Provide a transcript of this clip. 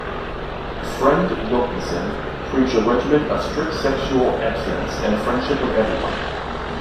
"Friend" Wilkinson preached a regimen of strict sexual abstinence, and friendship with everyone.